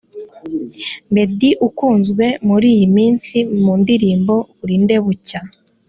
Meddy ukunzwe muri iyi minsi mu ndirimbo ‘Burinde bucya’